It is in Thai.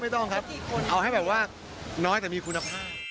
ต้องครับเอาให้แบบว่าน้อยแต่มีคุณภาพ